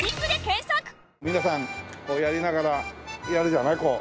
皆さんやりながらやるじゃないこう。